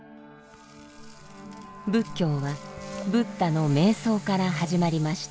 仏教はブッダの瞑想から始まりました。